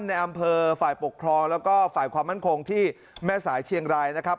ในอำเภอฝ่ายปกครองแล้วก็ฝ่ายความมั่นคงที่แม่สายเชียงรายนะครับ